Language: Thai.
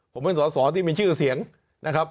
ผมเป็นสอสอที่มีชื่อเสียงนะครับ